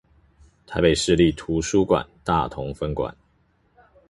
臺北市立圖書館大同分館